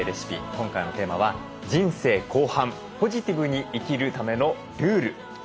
今回のテーマは「人生後半ポジティブに生きるためのルール」です。